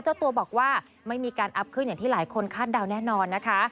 เจ้าตัวบอกว่าไม่มีการอัพขึ้นอย่างที่หลายคนคาดเดาแน่นอนนะคะ